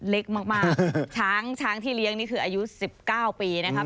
เล็กมากช้างช้างที่เลี้ยงนี่คืออายุ๑๙ปีนะครับ